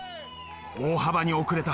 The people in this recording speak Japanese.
大幅に遅れた。